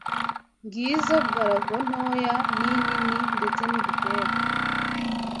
ngizo galago ntoya n’inini ndetse n’ibitera